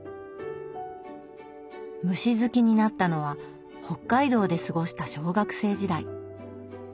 虫好きになったのは北海道で過ごした小学生時代。